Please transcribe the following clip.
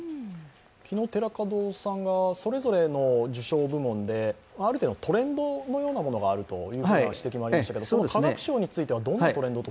昨日、寺門さんがそれぞれの受賞部門である程度トレンドのようなものがあるという指摘もありましたけど化学賞についはてどんなトレンドが？